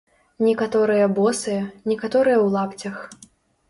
Некаторыя босыя, некаторыя ў лапцях.